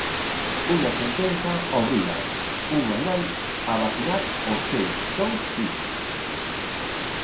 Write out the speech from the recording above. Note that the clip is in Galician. Unha sentenza obriga unha nai a vacinar os seus dous fillos.